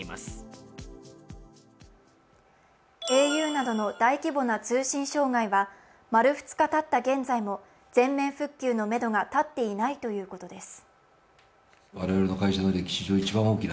ａｕなどの大規模な通信障害は丸２日たった現在も全面復旧のメドが立っていないということです。